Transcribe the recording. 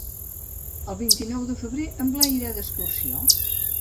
El vint-i-nou de febrer en Blai irà d'excursió.